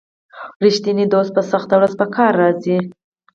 رښتینی دوست په سخته ورځ په کار راځي.